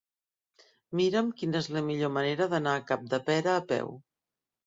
Mira'm quina és la millor manera d'anar a Capdepera a peu.